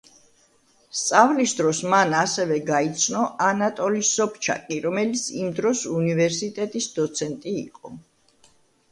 სწავლის დროს მან ასევე გაიცნო ანატოლი სობჩაკი, რომელიც იმ დროს უნივერსიტეტის დოცენტი იყო.